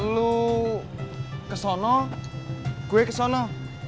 lu kesana gue kesana